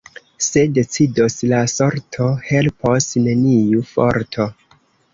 Se decidos la sorto, helpos neniu forto.